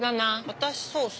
私ソース。